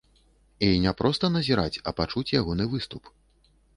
І не проста назіраць, а пачуць ягоны выступ.